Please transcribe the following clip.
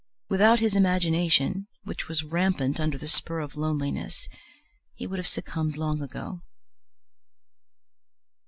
Without his imagination, which was rampant under the spur of loneliness, he would have succumbed long ago.